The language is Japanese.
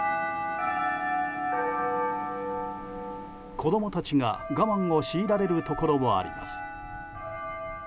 子供たちが我慢を強いられるところもあります。